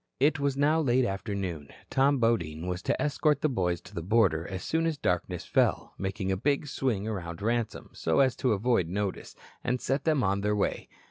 It was now late afternoon. Tom Bodine was to escort the boys to the border as soon as darkness fell, making a big swing around Ransome, so as to avoid notice, and set them on their way.